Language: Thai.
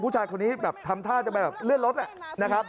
ผู้ชายคนนี้ทำท่าจะไปเลื่อนรถนะครับ